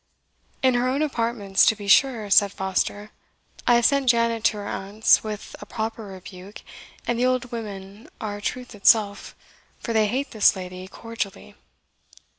"In her own apartments, to be sure," said Foster. "I have sent Janet to her aunt's with a proper rebuke, and the old women are truth itself for they hate this lady cordially."